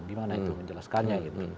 gimana itu menjelaskannya